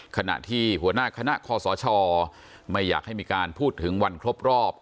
ขณะที่หัวหน้าคณะคอสชไม่อยากให้มีการพูดถึงวันครบรอบ